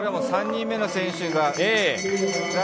３人目の選手が。